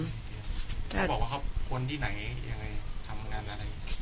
เขาก็บอกว่าเขาควรที่ไหนทำงานอะไร